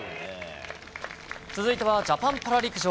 続いてはジャパンパラ陸上。